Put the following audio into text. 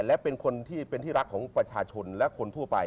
และเป็นคนที่เป็นที่รักของประชาชนและคนทั่วไป